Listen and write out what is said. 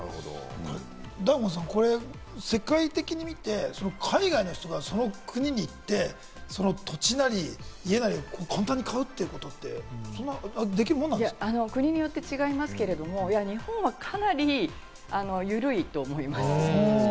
大門さん、これ世界的に見て、海外の人がその国に行って、その土地なり家なりを簡単に買うということってできるもんなんで国によって違いますが、日本はかなり緩いと思います。